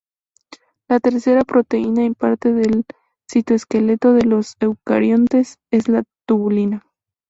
La tercera proteína importante del citoesqueleto de los eucariontes es la tubulina.